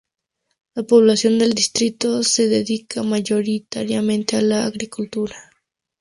La población del distrito se dedica mayoritariamente a la agricultura.